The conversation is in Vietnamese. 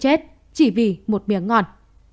chết chỉ vì một miếng ngon